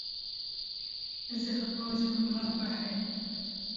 Ez ê xwe bajom nav behrê.